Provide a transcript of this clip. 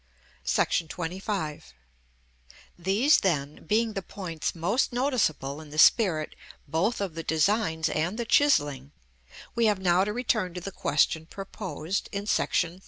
§ XXV. These, then, being the points most noticeable in the spirit both of the designs and the chiselling, we have now to return to the question proposed in § XIII.